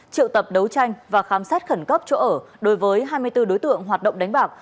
triệu tập đấu tranh và khám xét khẩn cấp chỗ ở đối với hai mươi bốn đối tượng hoạt động đánh bạc